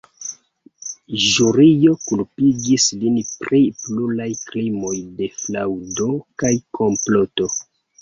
Ĵurio kulpigis lin pri pluraj krimoj de fraŭdo kaj komploto.